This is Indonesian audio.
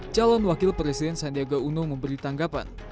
calon wakil presiden sandiaga uno memberi tanggapan